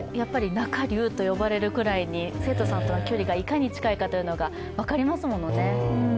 なかりゅうと呼ばれるくらいに生徒さんとの距離がいかに近いかというのが分かりますものね。